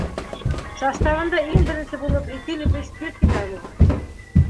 Составында иң беренсе булып этиловый спирт тип яҙылған.